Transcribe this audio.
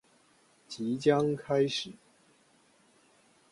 即將開始